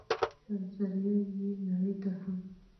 په ذريعه ئې نړۍ ته هم